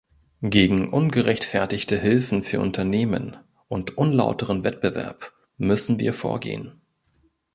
Gegen ungerechtfertigte Hilfen für Unternehmen und unlauteren Wettbewerb müssen wir vorgehen.